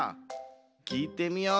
きいてみよう。